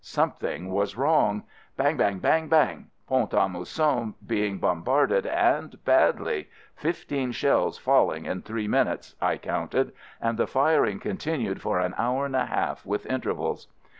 Something was wrong. Bang ! Bang! Bang! Bang! Pont a Mousson be ing bombarded, and badly — fifteen shells falling in three minutes, I counted, and the firing continued for an hour and a half with intervals.